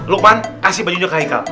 lukman kasih bajunya ke haikal